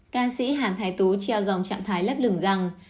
ca sĩ hàn thái tú treo dòng trạng thái lất lửng rằng